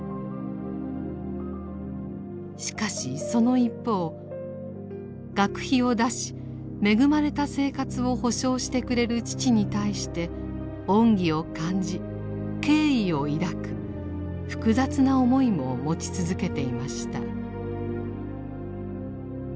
しかしその一方学費を出し恵まれた生活を保障してくれる父に対して恩義を感じ敬意を抱く複雑な思いも持ち続けていました。